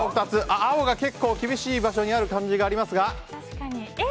青が結構厳しい場所にある感じがありますが。